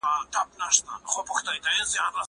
زه کولای سم ځواب وليکم!!!!